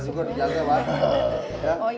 oh itu masuknya